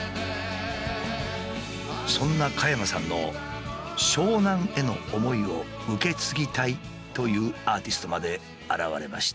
そんな加山さんの湘南への思いを受け継ぎたいというアーティストまで現れました。